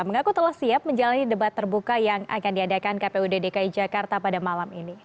mengaku telah siap menjalani debat terbuka yang akan diadakan kpud dki jakarta pada malam ini